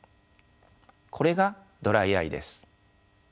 これがドライアイです。